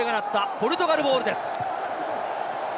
ポルトガルボールです。